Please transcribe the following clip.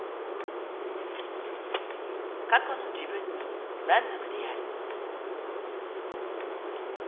過去の自分に満足である。